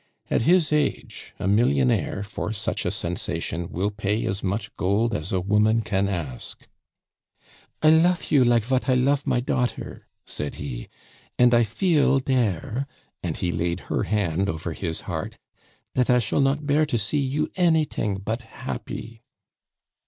At his age a millionaire, for such a sensation, will pay as much gold as a woman can ask. "I lofe you like vat I lofe my daughter," said he. "An' I feel dere" and he laid her hand over his heart "dat I shall not bear to see you anyting but happy."